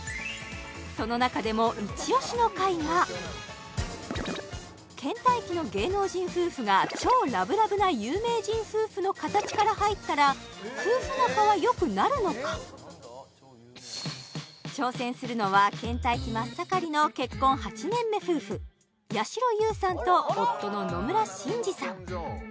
そのなかでも倦怠期の芸能人夫婦が超ラブラブな有名人夫婦の形から入ったら夫婦仲はよくなるのか挑戦するのは倦怠期まっ盛りの結婚８年目夫婦やしろ優さんと夫の野村辰二さん